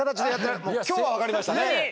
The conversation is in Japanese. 今日は分かりましたね。